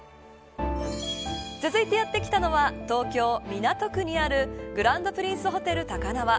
続いて、やって来たのは東京、港区にあるグランドプリンスホテル高輪。